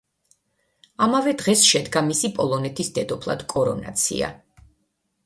ამავე დღეს შედგა მისი პოლონეთის დედოფლად კორონაცია.